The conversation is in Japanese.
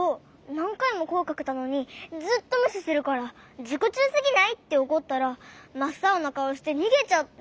なんかいもこえかけたのにずっとむししてるから「じこちゅうすぎない！？」っておこったらまっさおなかおしてにげちゃって。